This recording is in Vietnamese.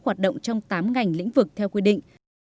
hoạt động trong tám ngành lĩnh vực theo quy định